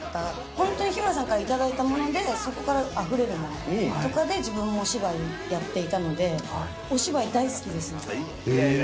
本当に日村さんから頂いたもので、そこからあふれるものとかで自分もお芝居をやっていたので、いやいやいやいや。